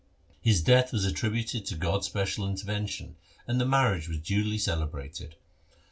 His death was attributed to God's special intervention, and the marriage was duly celebrated.